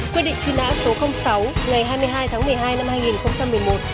quyết định truy nã số sáu ngày hai mươi hai tháng một mươi hai năm hai nghìn một mươi một